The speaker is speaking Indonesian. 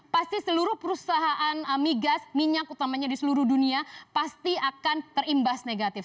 pasti seluruh perusahaan migas minyak utamanya di seluruh dunia pasti akan terimbas negatif